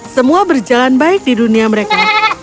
semua berjalan baik di dunia mereka